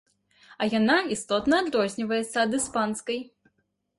А яна істотна адрозніваецца ад іспанскай.